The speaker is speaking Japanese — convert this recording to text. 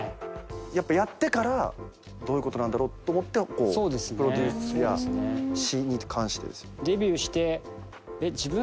やっぱやってからどういうことなんだろうと思ってこうプロデュースや詞に関して。